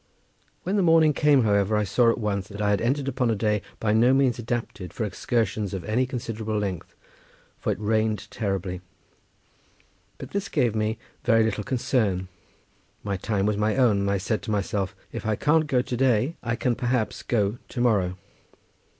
When the morning came, however, I saw at once that I had entered upon a day by no means adapted for excursions of any considerable length, for it rained terribly; but this gave me very little concern; my time was my own, and I said to myself, "If I can't go to day I can perhaps go to morrow."